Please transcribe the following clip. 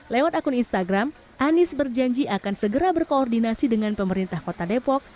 lewat akun instagram anies berjanji akan segera berkoordinasi dengan pemerintah kota depok